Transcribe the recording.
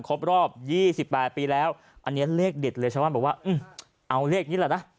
ครบรอบ๒๘ปีแล้วอันนี้เลขเด็ดเลยชาวบ้านบอกว่าเอาเลขนี้แหละนะ